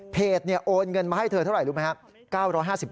โอนเงินมาให้เธอเท่าไหร่รู้ไหมครับ